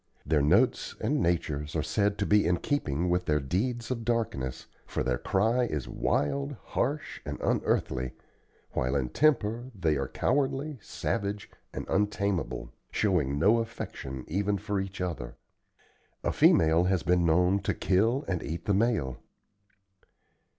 Their notes and natures are said to be in keeping with their deeds of darkness; for their cry is wild, harsh, and unearthly, while in temper they are cowardly, savage, and untamable, showing no affection even for each other. A female has been known to kill and eat the male.